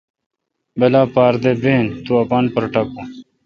بلا پار دہ بین تے تو اما اپان پر ٹاکون۔